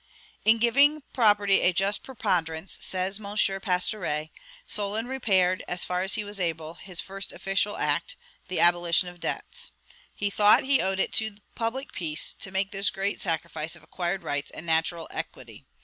"In giving property a just preponderance," says M. Pastoret, "Solon repaired, as far as he was able, his first official act, the abolition of debts.... He thought he owed it to public peace to make this great sacrifice of acquired rights and natural equity.